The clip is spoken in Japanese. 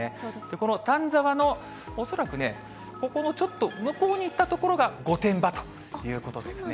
この丹沢の恐らくね、ここのちょっと向こうに行った所が、御殿場ということですね。